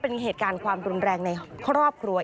เป็นเหตุการณ์ความรุนแรงในครอบครัว